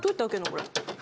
これ。